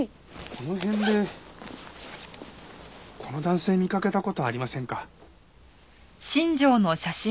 この辺でこの男性見かけた事ありませんか？